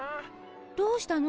どうしたの？